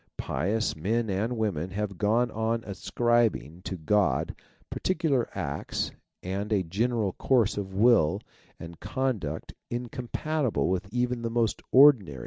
Pious men and women have gone on ascribing to God particular acts and a general course of will and conduct incompatible with even the most ordinary